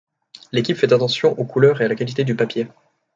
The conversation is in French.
L’équipe fait attention aux couleurs et à la qualité du papier.